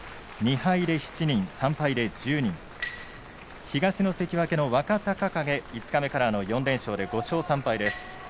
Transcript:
２敗で７人、３敗で１０人東の関脇若隆景、五日目から４連勝、５勝３敗です。